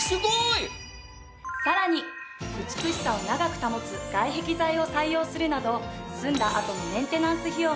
さらに美しさを長く保つ外壁材を採用するなど住んだあとのメンテナンス費用も大幅に削減できるの。